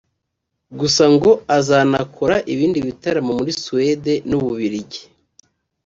gusa ngo azanakora ibindi bitaramo muri Suwede n’ u Bubiligi